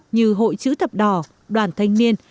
như hội chữ thập đỏ đoàn thanh niên